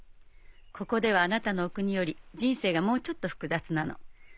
ここではあなたのお国より人生がもうちょっと複雑なの。